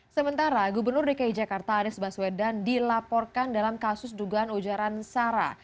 sementara gubernur dki jakarta anies baswedan dilaporkan dalam kasus dugaan ujaran sara